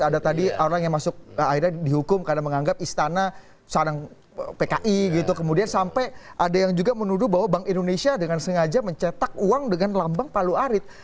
ada tadi orang yang masuk akhirnya dihukum karena menganggap istana pki gitu kemudian sampai ada yang juga menuduh bahwa bank indonesia dengan sengaja mencetak uang dengan lambang palu arit